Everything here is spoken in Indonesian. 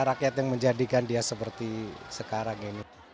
rakyat yang menjadikan dia seperti sekarang ini